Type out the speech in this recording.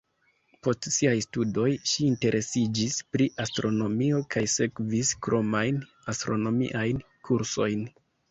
Post siaj studoj, ŝi interesiĝis pri astronomio kaj sekvis kromajn astronomiajn kursojn.